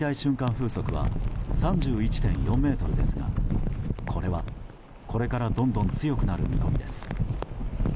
風速は３１．４メートルですがこれは、これからどんどん強くなる見込みです。